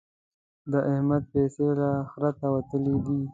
د احمد پيسې له خرته وتلې دي.